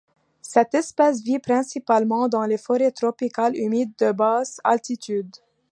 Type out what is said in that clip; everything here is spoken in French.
Cette espèce vit principalement dans les forêts tropicales humides de basse altitude.